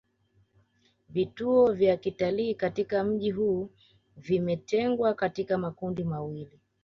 vivutio vya kitalii katika mji huu vimetengwa katika makundi mawili